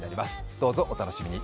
どうぞお楽しみに。